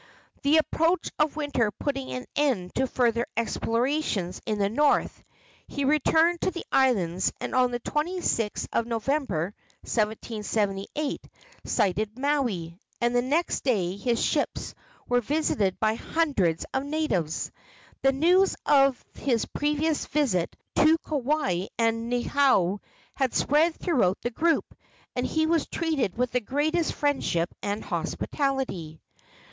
The approach of winter putting an end to further explorations in the north, he returned to the islands, and on the 26th of November, 1778, sighted Maui, and the next day his ships were visited by hundreds of natives. The news of his previous visit to Kauai and Niihau had spread throughout the group, and he was treated with the greatest friendship and hospitality.